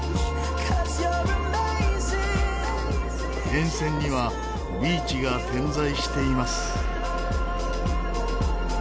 沿線にはビーチが点在しています。